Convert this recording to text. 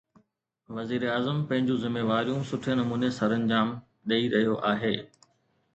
وزيراعظم پنهنجون ذميواريون سٺي نموني سرانجام ڏئي رهيو آهي.